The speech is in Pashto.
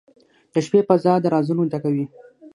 • د شپې فضاء د رازونو ډکه وي.